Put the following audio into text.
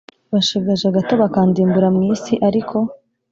bashigaje hato bakandimbura mu isi ariko